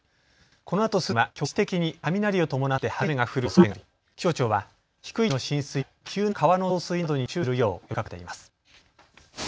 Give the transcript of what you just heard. このあと数時間は局地的に雷を伴って激しい雨が降るおそれがあり気象庁は低い土地の浸水や急な川の増水などに注意するよう呼びかけています。